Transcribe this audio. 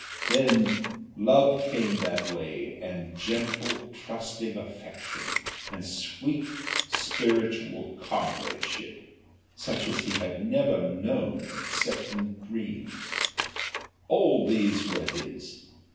Then love came that way and gentle, trusting affection, and sweet, spiritual comradeship, such as he had never known except in dreams all these were his.